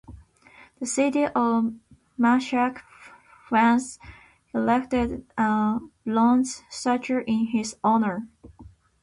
The city of Marciac, France, erected a bronze statue in his honor.